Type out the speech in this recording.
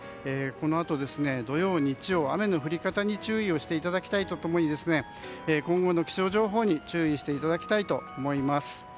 このあと土曜、日曜雨の降り方に注意をしていただきたいと共に今後の気象情報に注意していただきたいと思います。